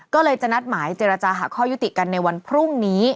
ก็เลยจะนัดหมายเจรจาหาข้อยุติกันในวันพรุ่งนี้